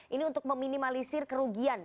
ini untuk meminimalisir kerugian